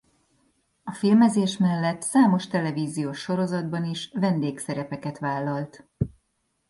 A filmezés mellett számos televíziós sorozatban is vendégszerepeket vállalt.